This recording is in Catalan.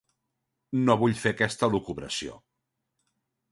No vull fer aquesta elucubració.